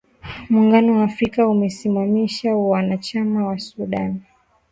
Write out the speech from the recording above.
Muungano wa Afrika umesimamisha uanachama wa Sudan.